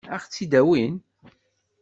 Ad ɣ-tt-id-awin?